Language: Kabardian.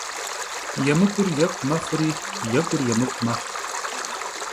Yêmık'ur yêk'u mexhuri yêk'ur yêmık'u mexhu.